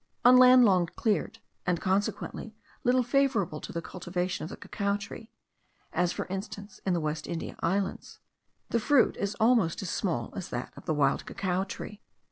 On land long cleared, and consequently little favourable to the cultivation of the cacao tree (as, for instance, in the West India Islands), the fruit is almost as small as that of the wild cacao tree.